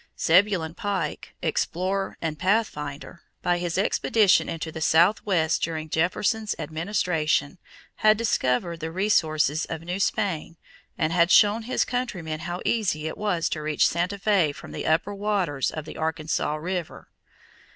Zebulon Pike, explorer and pathfinder, by his expedition into the Southwest during Jefferson's administration, had discovered the resources of New Spain and had shown his countrymen how easy it was to reach Santa Fé from the upper waters of the Arkansas River.